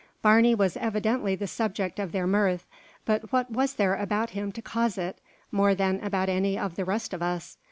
Barney was evidently the subject of their mirth; but what was there about him to cause it, more than about any of the rest of us?